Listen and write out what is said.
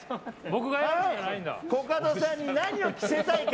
コカドさんに何を着せたいか。